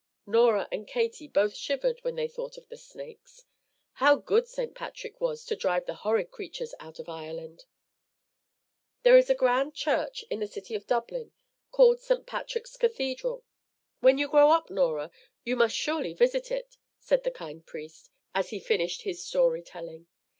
Norah and Katie both shivered when they thought of the snakes. How good St. Patrick was to drive the horrid creatures out of Ireland! "There is a grand church in the city of Dublin called St. Patrick's Cathedral. When you grow up, Norah, you must surely visit it," said the kind priest, as he finished his story telling.